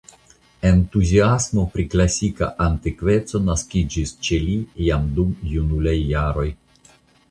Entuziasmo pri klasika antikveco naskiĝis ĉe li jam dum junulaj jaroj.